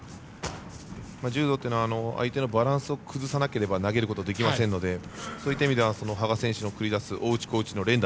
柔道というのは相手のバランスを崩さなければ投げることはできませんのでそういった意味では羽賀選手の繰り出す大内、小内の連打